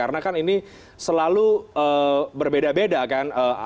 karena kan ini selalu berbeda beda kan